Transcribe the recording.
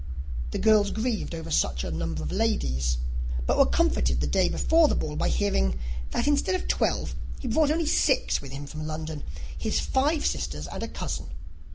The girls grieved over such a number of ladies; but were comforted the day before the ball by hearing that, instead of twelve, he had brought only six with him from London, his five sisters and a cousin.